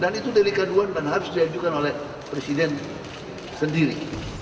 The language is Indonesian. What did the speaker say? dan itu dari kandungan dan harus diajukan oleh presiden sendiri